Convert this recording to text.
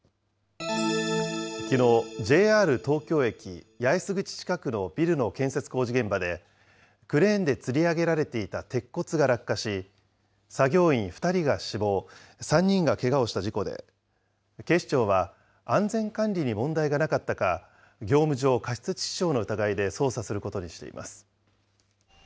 きのう、ＪＲ東京駅八重洲口近くのビルの建設工事現場で、クレーンでつり上げられていた鉄骨が落下し、作業員２人が死亡、３人がけがをした事故で、警視庁は、安全管理に問題がなかったか、業務上過失致死傷の疑いで捜査することにしています。